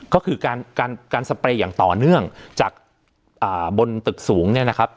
ก็คือการการสเปรย์อย่างต่อเนื่องจากบนตึกสูงเนี่ยนะครับ